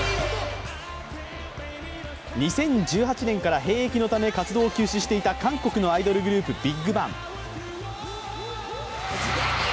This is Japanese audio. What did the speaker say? ２０１８年から兵役のため活動を休止していた韓国のアイドルグループＢＩＧＢＡＮＧ。